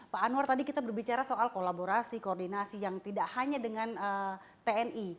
pak anwar tadi kita berbicara soal kolaborasi koordinasi yang tidak hanya dengan tni